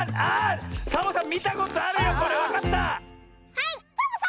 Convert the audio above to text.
はいサボさん！